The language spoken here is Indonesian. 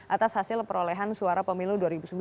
atas hasil perolehan suara pemilu dua ribu sembilan belas